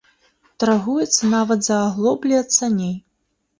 Таргуецца нават за аглоблі ад саней.